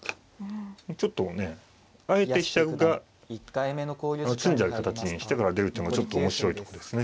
ちょっとねあえて飛車が詰んじゃう形にしてから出るってのがちょっと面白いとこですね。